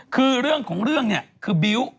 คือเรื่องของผมเนี่ยคือบิ๊ว